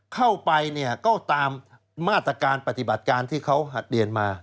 เข้าไปเนี่ยก็ตามมาตรการปฏิบัติการที่เขาหัดเรียนมา